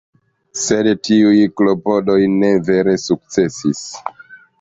Sed tiuj klopodoj ne vere sukcesis.